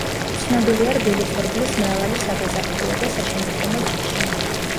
ცნობილია რბილი ხორბლის მრავალი საგაზაფხულო და საშემოდგომო ჯიში.